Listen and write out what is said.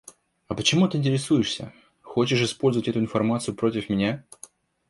А почему ты интересуешься? Хочешь использовать эту информацию против меня?